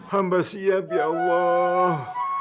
hamba siap ya allah